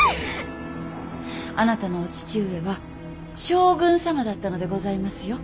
あなたのお父上は将軍様だったのでございますよ。